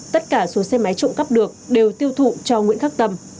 tất cả số xe máy trộm cắp được đều tiêu thụ cho nguyễn khắc tâm